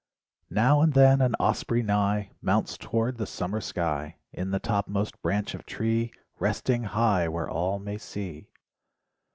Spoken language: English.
Now and then an Osprey nigh Mounts toward the summer sky, In the topmost branch of tree, Resting high where all may see.